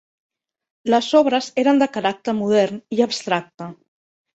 Les obres eren de caràcter modern i abstracte.